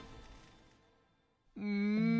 うん。